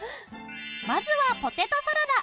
まずはポテトサラダ。